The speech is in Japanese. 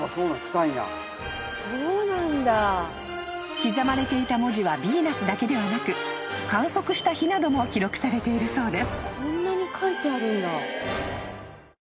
［刻まれていた文字は「ＶＥＮＵＳ」だけではなく観測した日なども記録されているそうです］